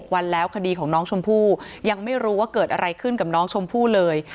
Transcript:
วันแล้วคดีของน้องชมพู่ยังไม่รู้ว่าเกิดอะไรขึ้นกับน้องชมพู่เลย